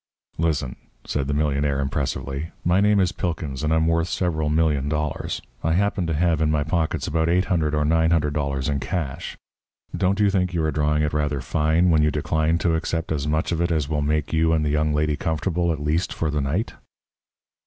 "Listen," said the millionaire, impressively. "My name is Pilkins, and I'm worth several million dollars. I happen to have in my pockets about $800 or $900 in cash. Don't you think you are drawing it rather fine when you decline to accept as much of it as will make you and the young lady comfortable at least for the night?"